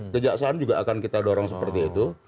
kejaksaan juga akan kita dorong seperti itu